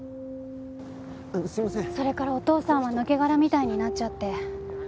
それからお父さんは抜け殻みたいになっちゃって。